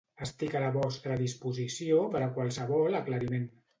Estic a la vostra disposició per a qualsevol aclariment.